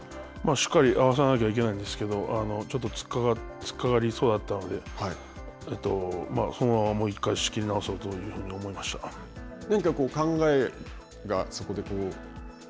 しっかり合わさなきゃいけないんですけど、ちょっと突っかかりそうだったので、そのまま、もう１回、仕切り直そうというふうに何かこう考えがそこで。